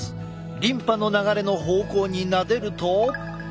リンパの流れの方向になでると。